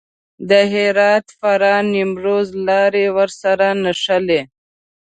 د هرات، فراه، نیمروز لارې ورسره نښلي.